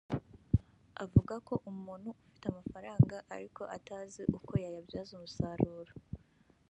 avuga ko umuntu ufite amafaranga ariko atazi uko yayabyaza umusaruro